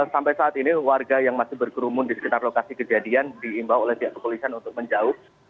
sampai saat ini warga yang masih berkerumun di sekitar lokasi kejadian diimbau oleh pihak kepolisian untuk menjauh